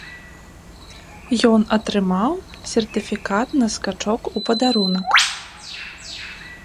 Ён атрымаў сертыфікат на скачок у падарунак.